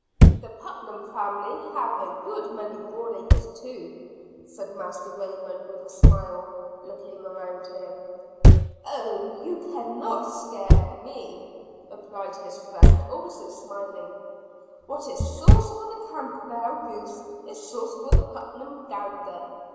"The Putnam family have a good many broad acres too," said Master Raymond, with a smile, looking around him. "Oh, you cannot scare me," replied his friend, also smiling. "What is sauce for the Campbell goose is sauce for the Putnam gander.